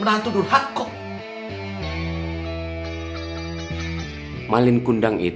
dia itu malin kundang